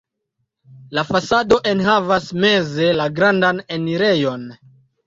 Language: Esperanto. La fasado enhavas meze la grandan enirejon.